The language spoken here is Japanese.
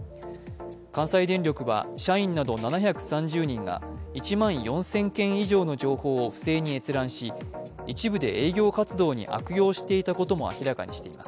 関西電力は社員など７３０人が１万４０００件以上の情報を不正に閲覧し、一部で営業活動に悪用していたことも明らかにしています。